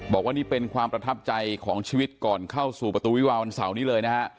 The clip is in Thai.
บอกว่านี่เป็นความประทับใจของชีวิตก่อนเข้าสู่ประตูวิวาวันเสาร์นี้เลยนะฮะ